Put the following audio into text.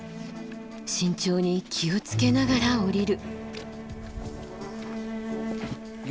慎重に気を付けながら下りる。